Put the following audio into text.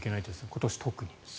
今年、特に。